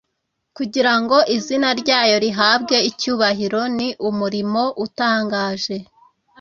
kugira ngo izina ryayo rihabwe icyubahiro, ni umurimo utangaje.